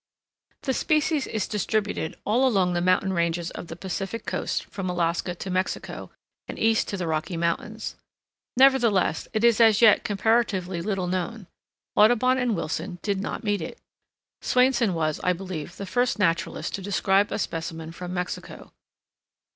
The species is distributed all along the mountain ranges of the Pacific Coast from Alaska to Mexico, and east to the Rocky Mountains. Nevertheless, it is as yet comparatively little known. Audubon and Wilson did not meet it. Swainson was, I believe, the first naturalist to describe a specimen from Mexico.